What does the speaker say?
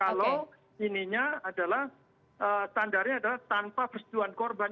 kalau ininya adalah standarnya adalah tanpa persetujuan korban